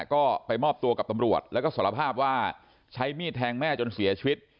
ก็ไปมอบตัวกับตำรวจแล้วก็สารภาพว่าใช้มีดแทงแม่จนเสียชีวิต